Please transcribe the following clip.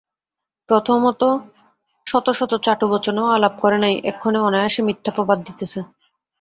প্রথমত শত শত চাটু বচনেও আলাপ করে নাই এক্ষণে অনায়সে মিথ্যাপবাদ দিতেছে।